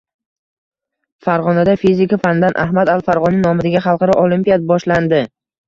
Farg‘onada fizika fanidan Ahmad al-Farg‘oniy nomidagi xalqaro olimpiada boshlanding